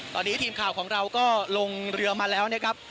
ตอนนี้ทีมข่าวของเราก็ลงเรือมาแล้วนะครับ